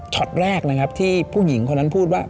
ช็อตแรกนะครับที่ผู้หญิงคนนั้นพูดว่า